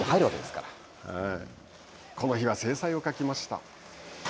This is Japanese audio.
この日は精彩を欠きました。